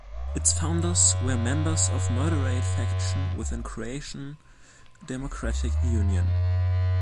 Its founders were members of moderate faction within Croatian Democratic Union.